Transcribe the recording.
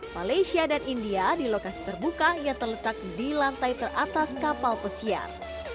malaysia dan india di lokasi terbuka yang terletak di lantai teratas kapal pesiar